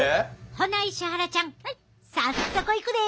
ほな石原ちゃん早速いくで！